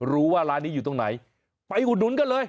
รู้ว่าร้านนี้อยู่ตรงไหนไปอุดหนุนกันเลย